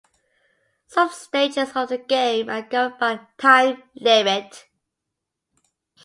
Some stages of the game are governed by a time limit.